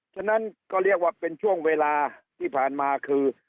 ฉะนั้นก็เรียกว่าเป็นช่วงเวลาที่ผ่านมาคือ